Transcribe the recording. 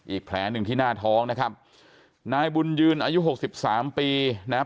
อีกแผลหนึ่งที่หน้าท้องนะครับนายบุญยืนอายุหกสิบสามปีนะครับ